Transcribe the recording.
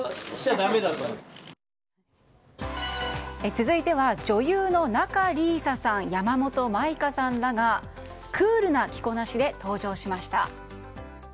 続いては、女優の仲里依紗さん山本舞香さんらがクールな着こなしで登場しました。